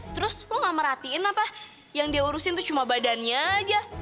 terus lo gak merhatiin apa yang dia urusin tuh cuma badannya aja